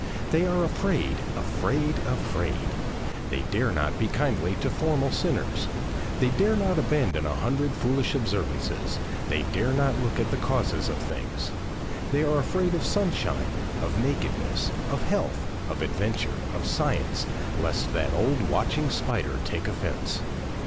They are afraid, afraid, afraid; they dare not be kindly to formal sinners, they dare not abandon a hundred foolish observances; they dare not look at the causes of things. They are afraid of sunshine, of nakedness, of health, of adventure, of science, lest that old watching spider take offence.